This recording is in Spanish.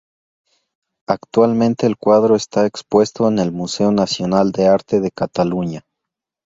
Actualmente el cuadro está expuesto en el Museo Nacional de Arte de Cataluña.